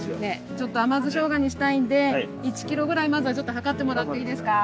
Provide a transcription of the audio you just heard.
ちょっと甘酢しょうがにしたいんで１ｋｇぐらいまずはちょっと量ってもらっていいですか。